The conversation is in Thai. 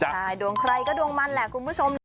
ใช่ดวงใครก็ดวงมันแหละคุณผู้ชมนะ